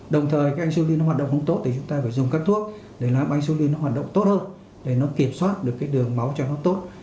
đồng thời cái insulin nó hoạt động không tốt thì chúng ta phải dùng các thuốc để làm insulin nó hoạt động tốt hơn để nó kiểm soát được cái đường máu cho nó tốt